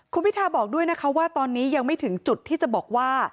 คุณพิทาบอกด้วยนะคะว่าตอนนี้ยังไม่ถึงจุดที่จะบอกว่า